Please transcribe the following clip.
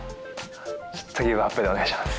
ちょっとギブアップでお願いします。